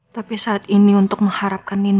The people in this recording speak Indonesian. tapi saat ini untuk mengharapkan nino kembali